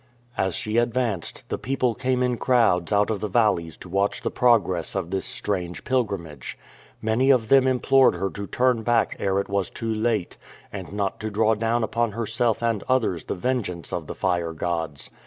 As she advanced, the people came in crowds out of the valleys to watch the progress of this strange pilgrimage. Many of them implored her to turn back ere it was too 342 THE PYTHONESS OF PELE late, and not to draw down upon herself and others the vengeance of the fire gods.